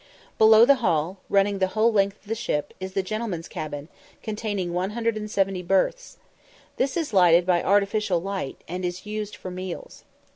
Below the Hall, running the whole length of the ship, is the gentlemen's cabin, containing 170 berths. This is lighted by artificial light, and is used for meals.